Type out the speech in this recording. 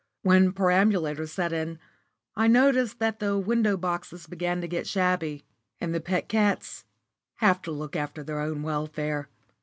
When perambulators set in, I notice that the window boxes begin to get shabby, and the pet cats have to look after their own welfare.